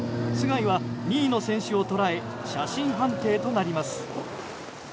須貝は２位の選手を捉え写真判定となります。